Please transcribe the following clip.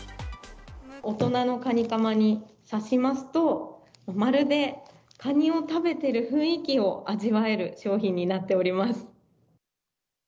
大人のカニカマに刺しますと、まるでカニを食べている雰囲気を味わえる商品になっております。